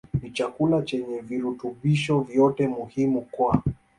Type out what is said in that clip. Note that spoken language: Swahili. ni chakula chenye virutubisho vyote muhimu kwa